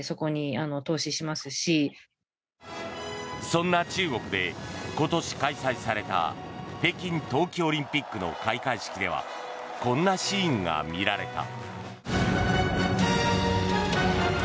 そんな中国で今年開催された北京冬季オリンピックの開会式ではこんなシーンが見られた。